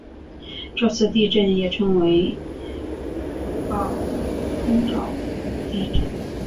这次地震也称为奥尻岛地震。